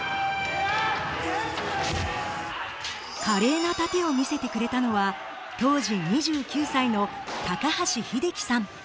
華麗な殺陣を見せてくれたのは当時２９歳の高橋英樹さん。